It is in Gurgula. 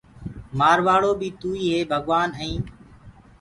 مآروآݪو بيٚ توئيٚ هي ڀگوآن ائين